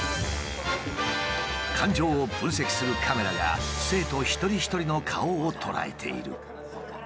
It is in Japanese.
感情を分析するカメラが生徒一人一人の顔を捉えている。